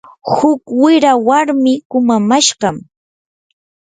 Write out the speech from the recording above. huk wira warmi kumamashqam.